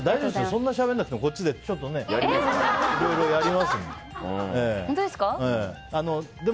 そんなしゃべらなくてもこっちでいろいろやりますので。